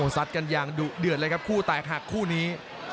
ซัดกันอย่างดุเดือดเลยครับคู่แตกหักคู่นี้